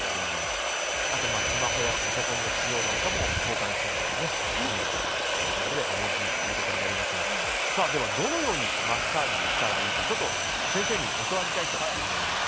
スマホやパソコンの使用も交感神経が刺激されるということでＮＧとなりますがでは、どのようにマッサージしたらいいか先生に教わりたいと思います。